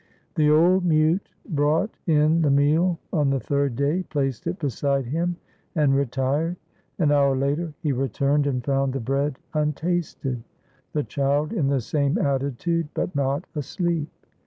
The old mute brought in the meal on the third day, placed it beside him, and retired. An hour later he re turned and found the bread untasted, the child in the same attitude, but not asleep.